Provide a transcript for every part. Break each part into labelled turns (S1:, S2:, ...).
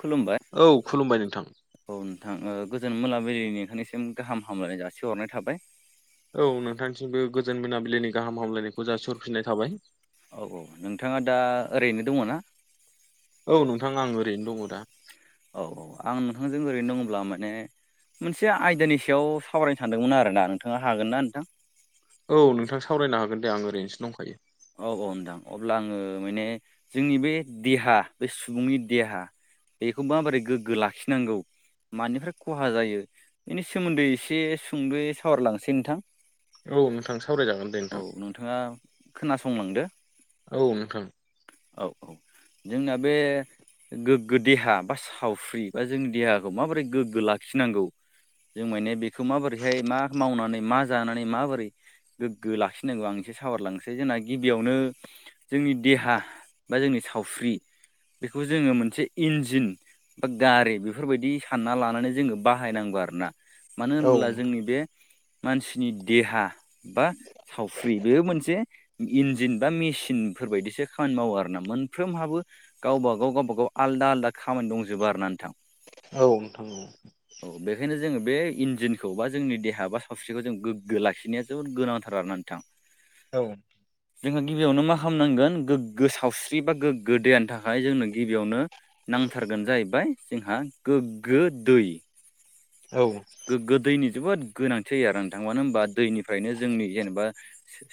S1: खुलुमबाय
S2: औ खुलुमबाय नोंथां
S1: औ नोंथां गोजोन मोनाबिलिनि नोंथांसिम गाहाम हामलायनाय जासिहरनाय थाबाय
S2: औ नोंथांसिमबो गोजोन मोनाबिलिनि गाहाम हामलायनायखौ जासिहरफिननाय थाबाय
S1: औ औ नोंथाङा दा ओरैनो दङ ना
S2: औ नोंथां आं ओरैनो दङ दा
S1: औ औ आं नोंथांजों ओरैनो दङब्ला माने मोनसे आयदानि सायाव सावरायनो सानदोंमोन आरो ना नोंथाङा हागोन ना नोंथां
S2: औ नोंथां सावरायनो हागोन दे आं ओरैनोसो दंखायो।
S1: औ औ नोंथां अब्ला आङो माने जोंनि बे देहा बे सुबुंनि देहा बेखौ माबोरै गोग्गो लाखिनांगौ मानिफ्राय खहा जायो बेनि सोमोन्दै एसे सुंदो सावरायलांसै नोंथां।
S2: औ नोंथां सावरायजागोन दे
S1: औ
S2: नोंथां।
S1: नोंथाङा खोनासंलांदो।
S2: औ नोंथां।
S1: औ औ जोंना बे गोग्गो देहा बा सावफ्रि बा जोंनि देहाखौ माबोरै गोग्गो लाखिनांगौ जों माने बेखौ माबोरैहाय मा मावनानै मा जानानै माबोरै गोग्गो लाखिनांगौ आं एसे सावारलांनोसै जोंना गिबियावनो जोंनि देहा बा जोंनि सावस्रि बेखौ जोङो मोनसे इन्जिन बा गारि बेफोरबायदि सानना लानानै जोङो बाहायनांगौ आरो ना। मानो
S2: औ
S1: होनोब्ला जोंनि बे मानसिनि देहा बा सावफ्रि बेयो मोनसे इन्जिन बा मेसिन फोरबायदिसो खामानि मावो आरोना मोनफ्रोमहाबो गावबा गाव गावबागाव आलदा आलदा खामानि दंजोबो आरोना नोंथां।
S2: औ नोंथां औ।
S1: औ बेखायनो जोङो बे इन्जिनखौ बा जोंनि देहा बा सावस्रिखौ जों गोग्गो लाखिनो जोबोद गोनांथार आरोना नोंथां।
S2: औ।
S1: जोंहा गिबियावनो मा खालामनांगोन गोग्गो सावस्रि बा गोग्गो दैनि थाखाय जोंनो गिबियावनो नांथारगोन जाहैबाय जोंहा गोग्गो दै।
S2: औ।
S1: गोग्गो दैनि जोबोद गोनांथि जायो आरो नोंथां मानो होनबा दैनिफ्रायनो जोंनि जेनेबा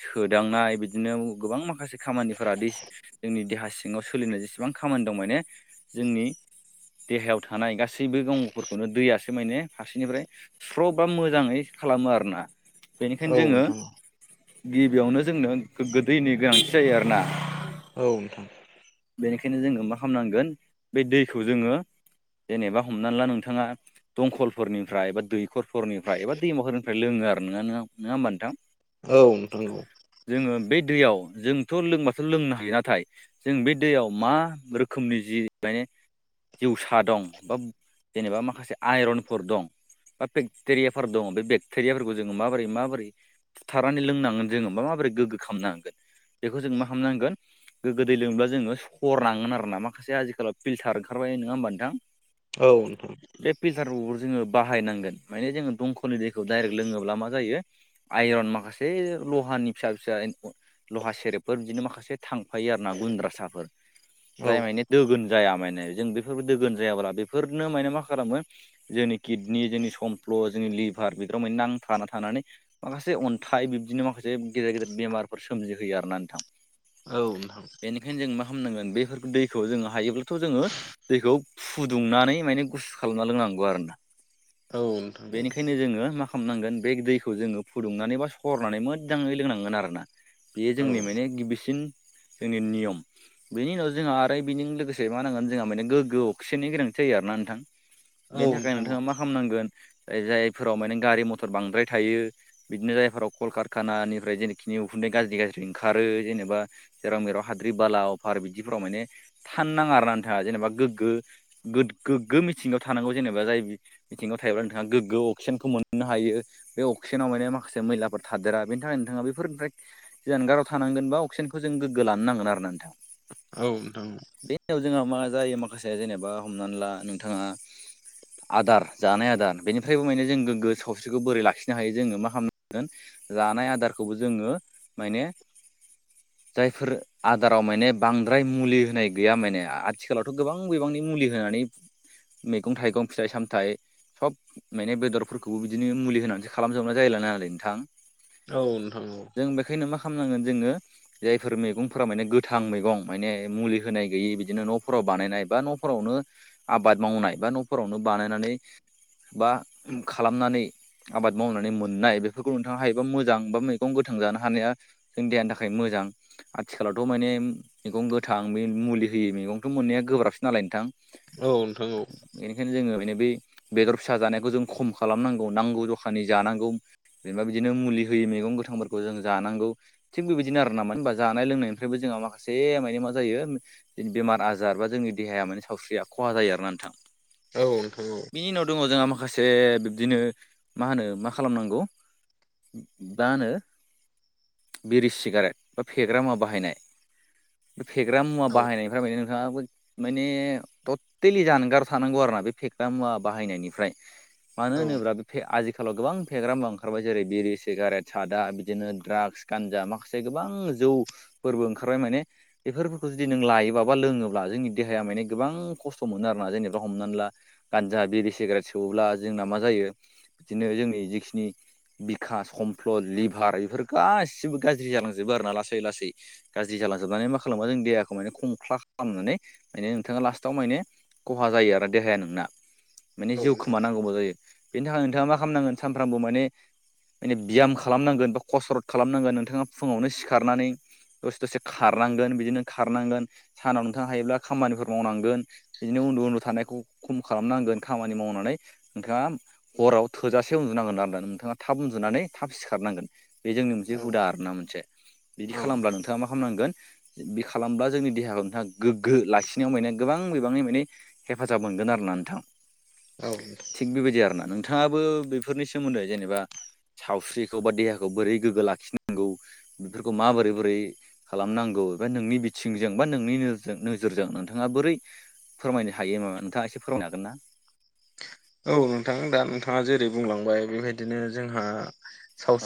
S1: सोदांनाय बिदिनो गोबां माखासे खामानिफोरा दै जोंनि देहा सिङाव सोलिनाय जेसेबां खामानि दं माने जोंनि देहायाव थानाय गासैबो गंग'फोरखौनो दैयासो माने फा सेनिफ्राय स्र' बा मोजाङै खालामो आरोना
S2: औ
S1: बेनिखायनो जोङो
S2: नोंथां
S1: गिबियावनो जोंनो गोगो दैनि गोनांथि जायो आरोना
S2: औ नोंथां।
S1: बेनिखायनो जोङो मा खालामनांगोन बे दैखौ जोङो जेनेबा हमनानै ला नोंथाङा दंखल फोरनिफ्राय एबा दैखरफोरनिफ्राय एबा दैमाफोरनिफ्राय लोङो नङा नङा होमबा नोंथां?
S2: औ नोंथां नंगौ।
S1: जोङो बे दैयाव जोंथ' लोंबाथ' लोंनो हायो नाथाय जों बे दैयाव मा रोखोमनि जि माने जिउसा दं बा जेनेबा माखासे आइरन फोर दं बा बेक्टेरियाफोर दङ बे बेक्टेरियाफोरखौ जोङो माबोरै माबोरै बुथारनानै लोंनांगोन जोङो माबोरै गोग्गो खालामनांगोन बेखौ जोङो मा खालामनांगोन गोग्गो दै लोंनोब्ला जोङो सर नांगोन आरोना माखासे आथिखालाव फिलटार ओंखारबाय नोङा होमबा नोंथां?
S2: औ नोंथां।
S1: बे फिल्टारखौबो जोङो बाहायनांगोन माने जोङो दंखलनि दैखौ डाइरेक्ट लोङोब्ला मा जायो आइरन माखासे लहानि फिसा फिसा लहा सेरेबफोर बिदिनो माखासे थांफायो आरो ना गुन्द्रासाफोर जाय मानि दोगोन जाया माने जों बेफोर दोगोन जायाब्ला बेफोरनो माने मा खालामो जोंनि किडनि जोंनि सम्फ्ल' जोंनि लिभार बेफोराव माने नांथा थानानै माखासे अन्थाइ बिब्दिनो माखासे गेदेर गेदेर बेमारफोर सोमजिहोयो आरोना नोंथां।
S2: औ नोंथां।
S1: ओंखायनो जों मा खालामनांगोन बेफोर दैखौ जोङो हायोब्लाथ' जोङो दैखौ फुदुंनानै माने गुसु खालामना लोंनांगौ आरोना। बेनिखायनो जोङो माखा खालामनांगोन बे दैखौ जोङो फुदुंनानै बा सरनानै मोजाङै लोंनांगोन आरो ना। बेयो जोंनि माने गिबिसिन जोंनि नियम। बेनि उनाव जोंहा आरो बेनिजों लोगोसे मा नांगोन जोंहा माने गोगोआव अक्सिजेननि गोनांथि जायो आर ना नोंथां। बेनि थाखाय नोंथाङा मा खालामनांगोन जायफोराव माने गारि मथर बांद्राय थायो बिदिनो जायफोराव कलकारखानानिफ्राय जेनेखिनि उखुन्दै गाज्रि गाज्रि ओंखारो जेनेबा जेराव मेराव हाद्रि बाला अफार बिदिफोराव माने थान नाङा आरो ना नोंथाङा जेनेबा गोग्गो गोग्गो मिथिंगायाव थानांगौ जेनेबा जाय बिथिङाव थायोब्ला नोंथाङा गोग्गो अक्सिजेनखौ मोननो हायो। बे अक्सिजेनाव माने माखासे मैलाफोर थादेरा बेनि थाखाय नोंथाङा बेफोरनिफ्राय जानगाराव थानांगोनबा अक्सिजेनखौ जों गोग्गो लानो नांगोन आरो ना नोंथां।
S2: औ नोंथां
S1: बेनाव जोंहा मा जायो माखासे जेनेबा हमनानै ला नोंथाङा आदार जानाय आदार बेनिफ्रायबो माने जों गोग्गो सावस्रिखौ बोरै लाखिनो हायो जोङो मा खालामनांगोन जानाय आदारखौबो जोङो माने जायफोर आदाराव माने बांद्राय मुलि होनाय गैया माने आथिखालावथ' गोबां बिबांनि मुलि होनानै मैगं थाइगं फिथाइ सामथाइ सब माने बेदरफोरखौबो बिदिनो मुलि होनानैसो खालामजोबना जायला नालाय नोंथां।
S2: औ नोंथां औ
S1: जों बेखायनो मा खालामनांगोन जोङो जायफोर मैगंफोरा माने गोथां मैगं माने मुलि होनाय गैयि बिदिनो न'फोराव बानायनाय बा न'फोरावनो आबाद मावनाय बा न'फोरावनो बानायनानै बा खालामनानै आबाद मावनानै मोननाय बेफोरखौ नोंथाङा हायोबा मोजां बा मैगं गोथां जानो हानाया जों देहानि थाखाय मोजां। आथिखालावथ' माने मैगं गोथां मुलि होयो मैगंथ' मोननाया गोब्राबसो नालाय नोंथां।
S2: औ नोंथान औ
S1: बेनिखायनो जोङो माने बै बेदर फिसा जानायखौ जों खम खालामनांगौ नांगौ जखानि जानांगौ। जेनबा बिदिनो मुलि होययो मैगं गोथांफोरखौ जों जानांगौ। थिग बेबायदिनो आरो नामा होनबा जानाय लोंनायनिफ्रायबो जोंहा माखासे माने मा जायो ज बेमार आजार बा जोंनि देहाया माने सावस्रिया खहा जायो आरोना नोंथां।
S2: औ नोंथां औ
S1: बिनि उनाव दङ जोंहा माखासे बिब्दिनो मा होनो मा खालामनांगौ दानो बिरि सिगारेट बा फेग्रा मुवा बाहायनाय। बे फेग्रा मुवा बाहायनायफोरा [unintelligible] माने टटेलि जान गार थानांगौ आरो ना बे फेक्रा मुवा बाहायनायनिफ्राय‌। मानो होनोब्ला बे फे आजिखालाव गोबां फेग्रा मुवा ओंखारबाय जेरै बिरि, सिगारेट, सादा बिदिनो दड्राग्स गानजा माखासे गोबां जौ फोरबो ओंखारबाय माने बेफोर फोरखौ जुदि नों लायोबा बा लोङोब्ला जोंनि देहाया माने गोबां खस्थ' मोनो आरो ना जेने दा हमनानै ला गानजा, बिरि, सिगारेट सोबोब्ला जोंना मा जायो बिदिनो जोंनि जिखिनि बिखा, समफ्लद, लिभार बेफोर गासिबो गाज्रि जालांजोबो आरोना लासै लासै। गाज्रि जालांजोबनानै मा खालामबा जों देहाखौ माने खंख्ला खालामनानै माने नोंथाङा लास्टाव माने खहा जायो आरो देहाया नोंना। माने जिउ खोमानांगौबो जायो। बेनि थाखाय नोंथाङा मा खालामनांगोन सानफ्रामबो माने माने बियाम खालामनांगोन बा कसरत खालामनांगोन नोंथाङा फुङावनो सिखारनानै दसे दसे खारनांगोन बिदिनो खारनांगोन सानाव नोंथाङा हायोब्ला खामानिफोर मावनांगोन। बिदिनो उन्दु उन्दु थानायखौ खम खालामनांगोन खामानि मावनानै नोंथाङा हराव थोजासे उन्दुनांगोन आरोना नोंथाङा थाब उन्दुनानै थाब सिखारनांगोन। बे जोंनि मोनसे हुदा आरोना मोनसे। बिदि
S2: औ
S1: खालामब्ला नोंथाङा मा खालामनांगोन बे खालामब्ला जोंनि देहाखौ नोंथाङा गोग्गो लाखिनायाव माने गोबांनि माने हेफाजाब मोनगोन आरोना नोंथां।
S2: औ।
S1: थिग बेबायदि आरोना। नोंथाङाबो बेफोरनि सोमोन्दै जेनेबा सावस्रिखौ बा देहाखौ बोरै गोग्गो लाखिनांगौ बेफोरखौ माबोरै बोरै खालामनांगौ एबा नोंनि बिथिंजों बा नोंनि नोरजों-नोजोरजों नोंथाङा बोरै फोरमायनो हायो नामा नोंथाङा एसे फोरमायनो हागोन ना?
S2: औ नोंथां दा नोंथाङा जेरै बुंलांबाय बेबायदिनो जोंहा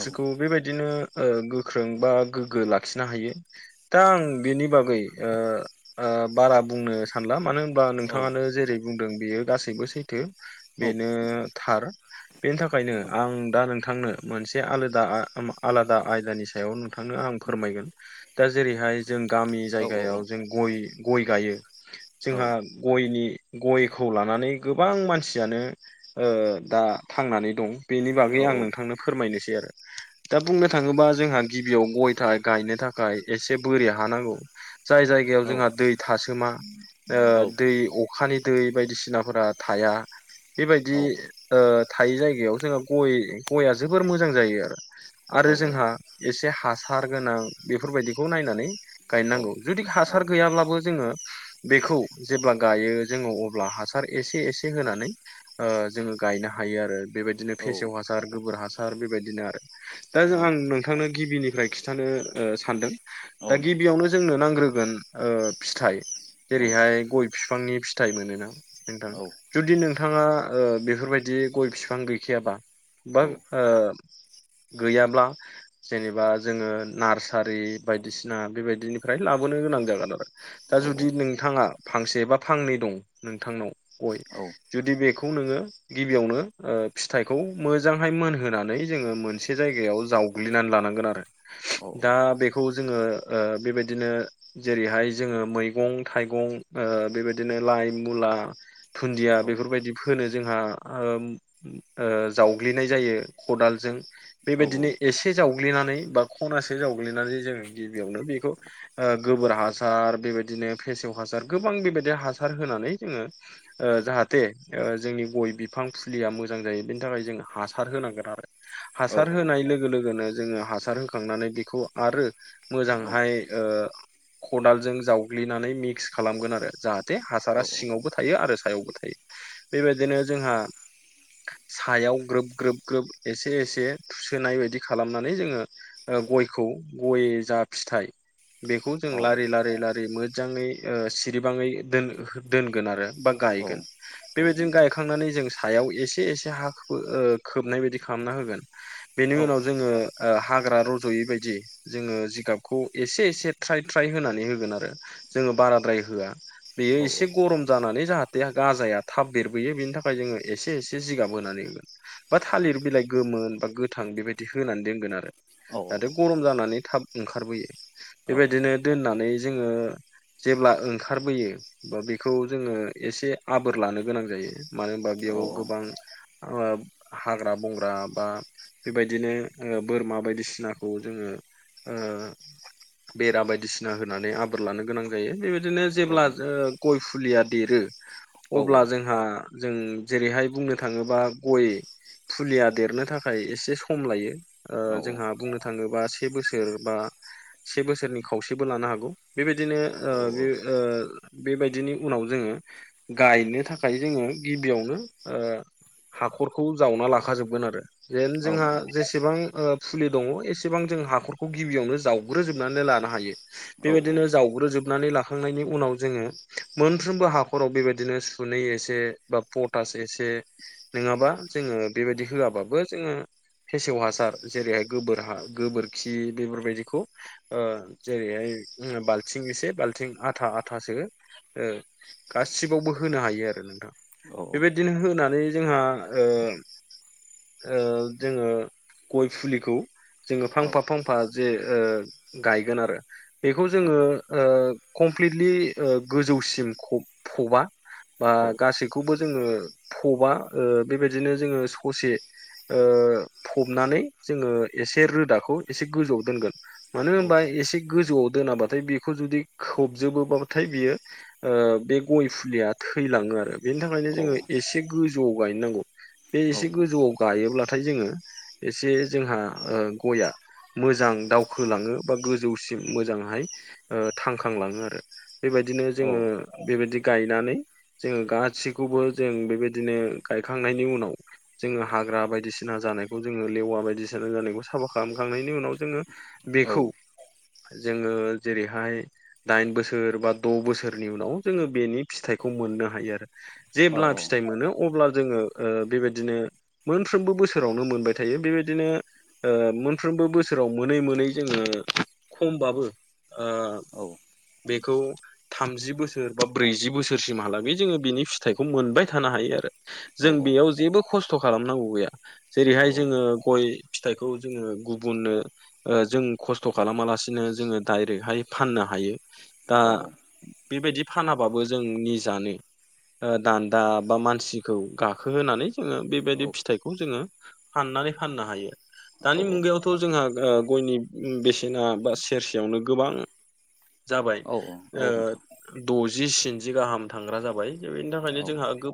S1: औ
S2: बेबायदिनो ओ गोख्रों बा गोग्गो लाखिनो हायो। दा आं बेनि ओ ओबागै बारा बुंनो सानला मानो होम बा
S1: औ
S2: नोंथाङानो जेरै बुंदों बेयो गासैबो सैथो
S1: औ
S2: बेनो थार। बेनि थाखायनो आं दा नोंथांनो मोनसे आलादा आ-आलादा आयदानि सायाव नों थांनो आं फोरमायगोन। दा जेरैहाय जों गामि
S1: औ
S2: जायगायाव जों गय गय गायो।
S1: औ
S2: जोंहा गयनि गयखौ लानानै गोबां मानसि यानो दा थांनानै दं बेनि
S1: औ
S2: बागै आं नोंथांनो फोरमायनोसै आरो। दा बुंनो थाङोबा जोंहा गिबियाव गयथाय गायनो थाखाय एसे बोरै हा नांगौ। जाय जायगायाव
S1: औ
S2: जोंहा दै थासोमा ओ
S1: औ
S2: दै अखानि दै बायदिसिनाफोरा थाया बेबायदि ओ थायै जायगायाव जोंहा गय गया जोबोर मोजां जायो आरो।
S1: औ
S2: आरो जोंहा एसे हासार गोनां बेफोरबायदिखौ नायनानै गायनांगौ। जुदि
S1: औ
S2: हासार गैयाब्लाबो जोङो बेखौ जेब्ला गायो जोङो अब्ला हासार एसे एसे होनानै ओ जोङो गायनो हायो आरो बेबायदिनो फेसेव हासार गोबोर हासार बेबायदिनो आरो। दा जों आं नोंथांनो गिबिनिफ्राय खिन्थानो ओ सानदों।
S1: औ
S2: दा
S1: नोंथां
S2: गिबियावनो जोंनो नांग्रोगोन ओ फिथाइ
S1: औ
S2: जेरैहाय गय बिफांनि फि थाइ मोनोना नोंथा। ं
S1: औ
S2: जुदि नोंथाङा बेफोरबायदि गय बिफां गैखायाबा बा
S1: औ
S2: ओ गैयाब्ला जेनेबा जोङो नार्सारि बायदिसिना बेबायदिनिफ्राय लाबोनो गोनां जागोन आरो। दा
S1: औ
S2: जुदि नोंथाङा फांसे बा फांनै दं नोंथांनाव गय
S1: औ
S2: जुदि बेखौ नोङो गिबियावनो ओ फिथाइखौ मोजांहाय मोनहोनानै जोङो मोनसे जायगायाव जाव ग्लिनानै लानांगोन आरो।
S1: औ
S2: दा बेखौ जोङो ओ बेबायदिनो जेरैहाय जोङो मैगं थाइगं ओ बेबायदिनो लाइ मुला दुन्दिया बे फोरबायदि फोनो जोंहा ओम ओ जावग्लिनाय जायो खदालजों।
S1: औ
S2: बेबायदिनो एसे जावग्लिनानै बा खनासे जावग्लिनानै जों गिबियावनो बेखौ ओ गोबोर हासार बेबायदिनो फेसेव हासार गोबां बेबायदि हासार होनानै जोङो ओ जाहा थे जोंनि गय बिफां फुलिया मोजां जायो बेनि थाखाय जों हासार होनांगोन आरो। हासार
S1: औ
S2: होनाय लोगो लोगोनो जोङो हासार होखांनानै बेखौ आरो मोजांहाय ओ खदालजों जावग्लिनानै मिक्स खालामगोन आरो जाहाथे थे हासारा
S1: औ
S2: सिङावबो थायो आरो सायावबो थायो बेबायदिनो जोंहा सायाव ग्रोब ग्रोब ग्रोब एसे एसे थुसोनाय बायदि खालामनानै जोङो ओ गयखौ गय जा फिथाइ बेखौ जों
S1: औ औ
S2: लारि लारि लारि मोजाङै ओ सिरिबाङै दोन दोनगोन आरो। बा
S1: औ
S2: गायगोन बेबायदिनो गाय खांनानै जों सायाव एसे एसे हा ओ खोबनाय बायदि खालामना होगोन। बेनि उनाव जोङो ओ हाग्रा रज'यै बायदि जोङो जिगाबखौ एसे एसे ट्राय ट्राय होनानै होगोन आरो जोङो बाराद्राय होआ। बेयो एसे गरम जानानै जाहाथ गाजाया थाब देरबोयो बेनि थाखाय जोङो एसे एसे जिगाब होनानै बा थालिर बिलाइ गोमोन बा गोथां बेबायदि होनानै दोनगोन आरो। जाहाथे गरम जानानै थाब ओंखारबोयो बेबायदिनो दोननानै जोङो जेब्ला ओंखारबोयो बा बेखौ जोङो एसे आबोर लानो गोनां जायो मानो होनबा बेयाव गोबां ओ हाग्रा बंग्रा बा बेबायदिनो ओ बोरमा बायदिसिनाखौ जोङो ओ बेरा बायदिसिना होनानै आ आदर लानो गोनां जायो बेबायदिनो जेब्ला ओ गय फुलिया देरो अब्ला जोंहा जों जेरैहाय बुंनो थाङोबा गय फुलिया देरनो थाखाय एसे सम लायो। ओ जोंहा बुंनो थाङोबा से बोसोर बा से बोसोरनि खावसेबो लानो हागौ। बेबायदिनो ओ बेयो ओ बेबायदिनि उनाव जोङो गायनो थाखाय जोङो गिबियावनो ओ हाखरखौ जावना लाखाजोबगोन आरो। जेन जोंहा जेसेबां फुलि ओ दङ' एसेबां जों हाख'रखौ गिबियावनो जावग्रोजोबनानै लानो हायो। बेबायदिनो जावग्रोजोबनानै लाखांनायनि उनाव जोङो मोनफ्रोमबो हाखराव बेबायदि बिदिनो सुनै एसे बा पटास एसे नङाबा जोङो बेबायदि होआबाबो जोङो फेसेव हासार जेरैहाय गोबोर हा गोबोरखि बेफोरबायदिखौ ओ जेरैहाय ओम बालथिं एसे बाल्थिं आथा आथासो ओ गासिबावबो होनो हायो आरो नोंथां।
S1: औ औ।
S2: बिदिनो होनानै जोंहा ओ ओ जोङो गय फुलिखौ जोङो फांफा फांफा जे ओ गायगोन आरो बेखौ जोङो ओ कमप्लिटलि ओ गोजौसिम खौ फबा। बा गासैखौबो जोङो फबा ओ बेबायदिनो जोङो ससे ओ फबनानै जोङो एसे रोदाखौ एसे गोजौआव दोनगोन। मानो होनबा एसे गोजौआव दोनाबाथाय बेखौ जुदि खोबजोबोबाथाय बियो ओ बे गय फुलिया थैलाङो आरो बेनि थाखायनो जोङो एसे गोजौआव गायनांगौ बे एसे
S1: औ
S2: गोजौआव गायोब्लाथाय जोङो एसे जोंहा ओ गया मोजां दावखोलाङो बा गोजौसिम मोजांहाय ओ थांखांलाङो आरो। बेबायदिनो जोङो
S1: औ
S2: बेबायदि गायनानै जोङो गासैखौबो जों बेबायदिनो गायखांनायनि उनाव जोङो हाग्रा बायदिसिना जानायखौ जोङो लेवा बायदिसिना जानायखौ साफा खालामखांनायनि उनाव जोङो बेखौ जोङो जेरैहाय दाइन बोसोर बा द' बोसोरनि उनाव जोङो बेनि फिथाइखौ खौक मोननो हायो। आरो जेब्ला फिथाइ मोनो अब्ला जोङो ओ बेबायदिनो मोनफ्रोमबो बोसोरावनो मोनबाय थायो बेबायदिनो ओ मोनफ्रोमबो बोसोराव मोनै मोनै जोङो खमबाबो ओ बेखौ थामजि बोसोर बा ब्रैजि बोसोर सोसिमहालागै जोङो बिनि फिथाइखौ मोनबाय थानो हायो आरो, जों बेयाव जेबो खस्थ' खालामनांगौ गैया जेरैहाय जोङो गय फिथाइखौ जोङो गुबुननो जों खस्थ' खालामालासिनो जोङो डाइरेक्टहाय फाननो हायो दा बेबायदि फानाबाबो जों निजानो दान्दा बा मानसिखौ गाखो होनानै जोङो बेबायदि फिथाइखौ जोङो फाननानै फाननो हायो दानि मुगायावथ' थ' जोंहा ओ गयनि बेसेना बा सेरसेयावनो गोबां जाबाय ओ
S1: नोंथां
S2: द'जि स्निजि गाहाम थांग्रा जाबाय दा बेनि थाखायनो
S1: औ औ
S2: जोंहा गो